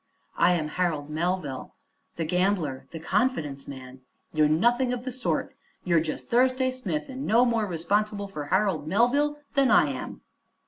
"I am Harold Melville the gambler the confidence man." "You're nothing of the sort, you're just Thursday Smith, and no more responsible for Harold Melville than I am."